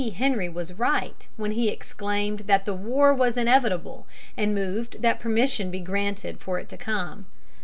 Henry was right when he exclaimed that the war was inevitable and moved that permission be granted for it to come.